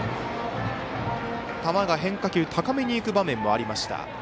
球が変化球、高めに行く場面もありました。